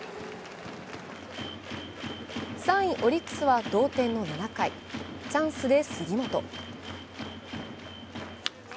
３位・オリックスは同点の７回、チャンスで杉本。